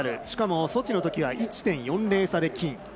しかもソチのときは１．４０差で金。